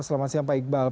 selamat siang pak iqbal